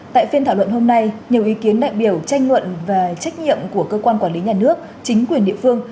tại phiên thảo luận hôm nay nhiều ý kiến đại biểu tranh luận về trách nhiệm của cơ quan quản lý nhà nước chính quyền địa phương